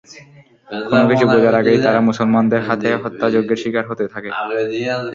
কোন কিছু বুঝার আগেই তারা মুসলমানদের হাতে হত্যাযজ্ঞের শিকার হতে থাকে।